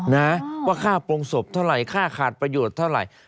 นะว่าค่าโปรงศพเท่าไหร่ค่าขาดประโยชน์เท่าไหร่